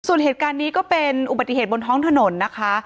ส่วนเหตุการณ์นี้ก็เป็นอุบัติเหตุบนท้องถนนนะคะ